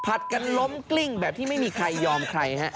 กันล้มกลิ้งแบบที่ไม่มีใครยอมใครฮะ